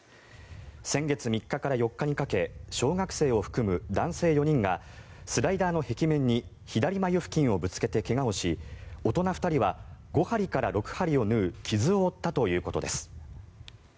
先月３日から４日にかけ小学生を含む男性４人がスライダーの壁面に左眉付近をぶつけて怪我をし大人２人は５針から６針を縫う傷を負ったということです。